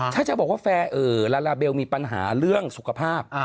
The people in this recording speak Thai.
ถ้าจะบอกว่าลาลาเบลมีปัญหาเรื่องสุขภาพ